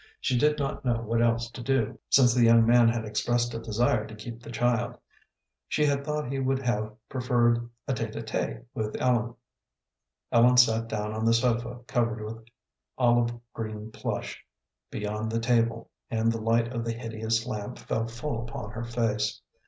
She did not know what else to do, since the young man had expressed a desire to keep the child. She had thought he would have preferred a tête à tête with Ellen. Ellen sat down on the sofa covered with olive green plush, beyond the table, and the light of the hideous lamp fell full upon her face.